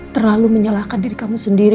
terlalu menyalahkan diri kamu sendiri